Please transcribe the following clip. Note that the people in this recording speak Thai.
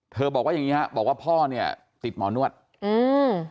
บอกว่าอย่างงี้ฮะบอกว่าพ่อเนี้ยติดหมอนวดอืม